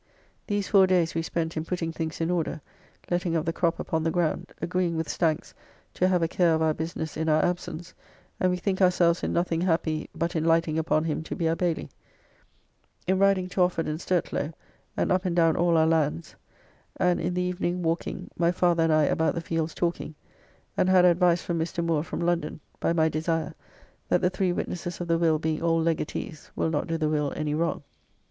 These four days we spent in putting things in order, letting of the crop upon the ground, agreeing with Stankes to have a care of our business in our absence, and we think ourselves in nothing happy but in lighting upon him to be our bayly; in riding to Offord and Sturtlow, and up and down all our lands, and in the evening walking, my father and I about the fields talking, and had advice from Mr. Moore from London, by my desire, that the three witnesses of the will being all legatees, will not do the will any wrong.